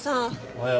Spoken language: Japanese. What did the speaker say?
おはよう。